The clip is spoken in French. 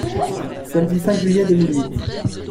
Samedi cinq juillet deux mille huit.